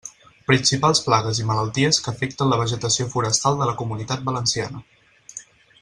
Principals plagues i malalties que afecten la vegetació forestal de la Comunitat Valenciana.